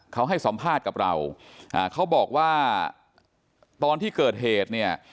เขาให้สัมภาษณ์กับเราอ่าเขาบอกว่าตอนที่เกิดเหตุเนี่ย